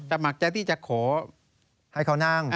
สมัครใจที่จะขอให้เขานั่ง